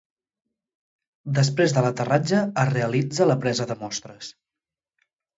Després de l'aterratge es realitza la presa de mostres.